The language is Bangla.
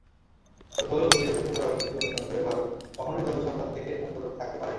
সত্য হলো, জোটনিরপেক্ষ পররাষ্ট্রনীতি অনুসরণ করে ভারত কখনোই দ্বন্দ্ব-সংঘাত থেকে মুক্ত থাকতে পারেনি।